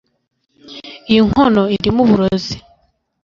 r iyi nkono irimo uburozi